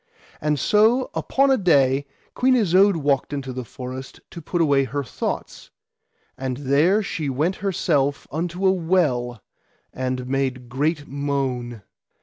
And so upon a day Queen Isoud walked into the forest to put away her thoughts, and there she went herself unto a well and made great moan.